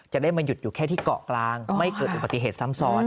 จะได้มาหยุดอยู่แค่ที่เกาะกลางไม่เกิดอุบัติเหตุซ้ำซ้อน